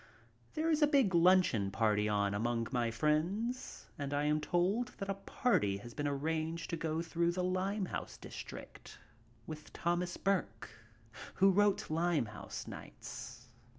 There is a big luncheon party on among my friends and I am told that a party has been arranged to go through the Limehouse district with Thomas Burke, who wrote "Limehouse Nights."